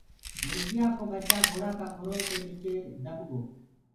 مرگيآ ڪو ٻچآ گھوڙآ ڪآ کُرو نيچي دٻگو۔